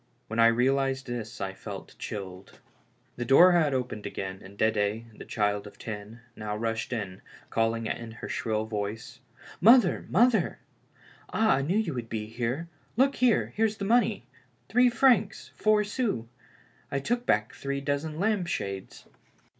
When I realized this I felt chilled. The door had opened again, and Dedd, the child of ten, now rushed in, calling out in her shrill voice: " Mother, mother! Ah, I knew you would be here. Look here, there's the money — three francs, four sous. I took back three dozen lampshades."